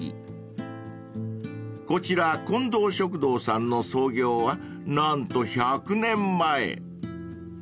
［こちらこんどう食堂さんの創業は何と１００年前］